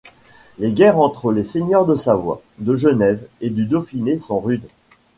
Les guerres entre les seigneurs de Savoie, de Genève et du Dauphiné sont rudes.